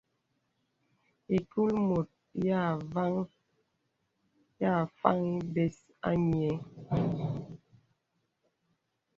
Ìkul mùt yā fàŋ bēs à nyə̀.